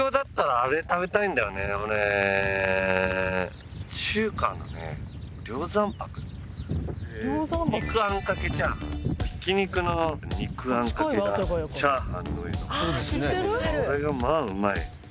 あれがまあうまい。